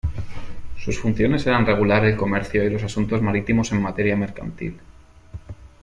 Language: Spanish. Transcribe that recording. Sus funciones eran regular el comercio y los asuntos marítimos en materia mercantil.